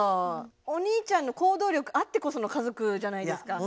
お兄ちゃんの行動力あってこその家族じゃないですか。